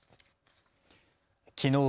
きのう